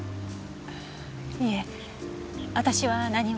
いえ私は何も。